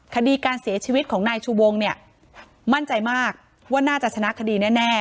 คดีการเสียชีวิตของนายชูวงเนี่ยมั่นใจมากว่าน่าจะชนะคดีแน่